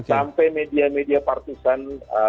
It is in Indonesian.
sampai media media partisana